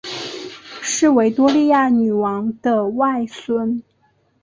是维多利亚女王的外孙。